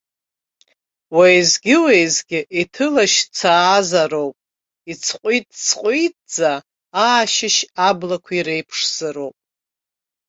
Уеизгьы-уеизгьы иҭылашьцаазароуп, иҵҟәитҵҟәитӡа, аашьышь аблақәа иреиԥшзароуп.